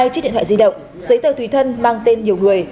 hai chiếc điện thoại di động giấy tờ tùy thân mang tên nhiều người